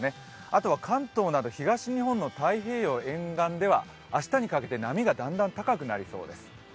あとは関東など東日本の太平洋沿岸では明日にかけて波がだんだん高くなりそうです。